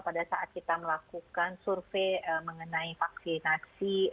pada saat kita melakukan survei mengenai vaksinasi